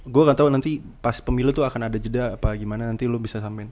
gue gak tau nanti pas pemilu tuh akan ada jeda apa gimana nanti lo bisa sampein